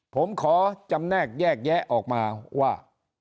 ผมขอจำแนกแยกแยะออกมาว่า